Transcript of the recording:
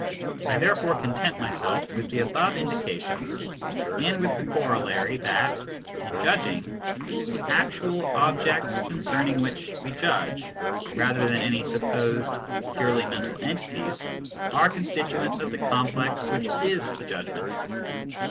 I therefore content myself with the above indications, arid with the corollary that, in judging, the actual objects concerning which we judge, rather than any supposed purely mental entities, are constituents of the complex which is the judgment.